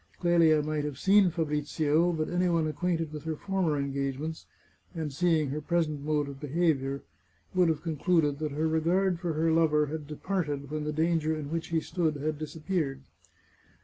Clelia might have seen Fabrizio, but any one acquainted with her former engagements, and seeing her present mode of behaviour, would have con cluded that her regard for her lover had departed when the danger in which he stood had disappeared.